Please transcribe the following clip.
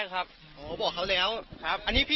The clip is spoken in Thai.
คำให้การในกอล์ฟนี่คือคำให้การในกอล์ฟนี่คือ